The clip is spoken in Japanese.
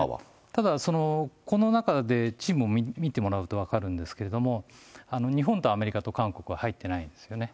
ただこの中でチームを見てもらうと分かるんですけれども、日本とアメリカと韓国は入ってないですよね。